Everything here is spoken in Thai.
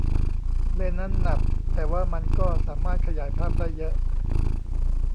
เลนส์นั้นหนักแต่ว่ามันก็สามารถขยายภาพได้เยอะ